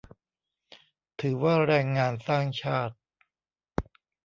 ถือว่าแรงงานสร้างชาติ